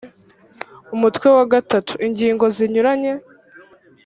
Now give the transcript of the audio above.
umutwe wa iii ingingo zinyuranye